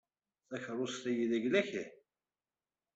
Takeṛṛust-a d ayla-nnek.